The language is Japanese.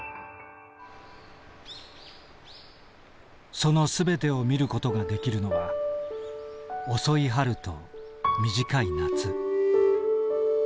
その全てを見る事ができるのは遅い春と短い夏。